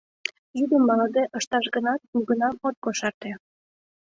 Йӱдым малыде ышташ гынат, нигунам от кошарте.